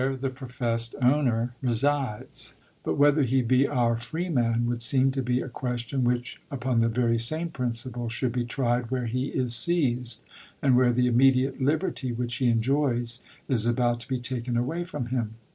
the professed owner resides; but whether he be our freeman would seem to be a question which, upon the very same principle, should be tried where he is seized, and where the immediate liberty which he enjoys is about to be taken away from him."